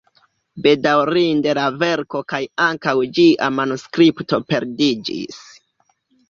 Bedaŭrinde la verko kaj ankaŭ ĝia manuskripto perdiĝis.